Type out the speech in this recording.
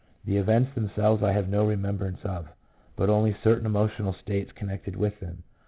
The events themselves I have no remembrance of, but only certain emotional states connected with them.